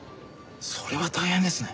それは大変ですね。